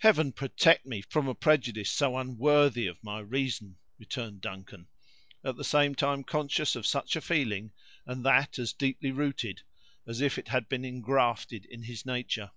"Heaven protect me from a prejudice so unworthy of my reason!" returned Duncan, at the same time conscious of such a feeling, and that as deeply rooted as if it had been ingrafted in his nature.